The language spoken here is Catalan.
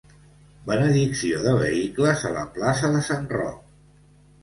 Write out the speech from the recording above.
Benedicció de vehicles a la plaça sant Roc.